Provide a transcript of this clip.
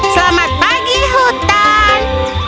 selamat pagi hutan